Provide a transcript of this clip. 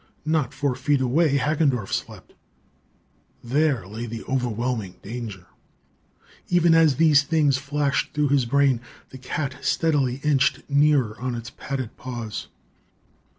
Not four feet away, Hagendorff slept. There lay the overwhelming danger. Even as these things flashed through his brain, the cat steadily inched nearer on its padded paws.